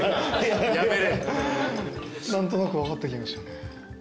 何となく分かってきましたね。